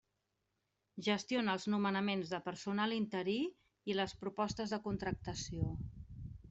Gestiona els nomenaments de personal interí i les propostes de contractació.